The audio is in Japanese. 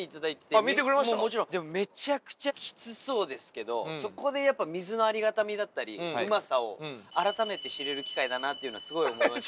めちゃくちゃきつそうですけどそこでやっぱ水のありがたみだったりうまさを改めて知れる機会だなっていうのはすごい思いました。